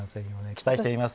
期待しています。